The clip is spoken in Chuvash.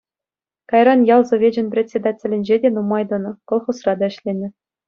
Кайран ял совечӗн председателӗнче те нумай тӑнӑ, колхозра та ӗҫленӗ.